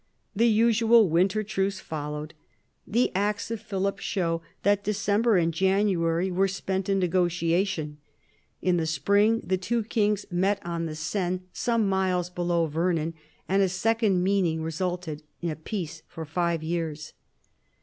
The usual winter truce followed. The acts of Philip show that December and January were spent in negotia tion. In the spring the two kings met on the Seine, in THE FALL OF THE ANGEYINS 61 some miles below Vernon, and a second meeting resulted in a peace for five years.